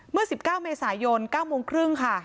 เมื่อ๑๙เมษายน๙โมงครึ่งค่ะ